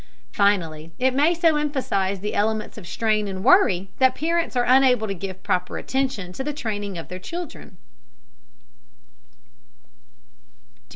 Finally it may so emphasize the elements of strain and worry that parents are unable to give proper attention to the training of their children.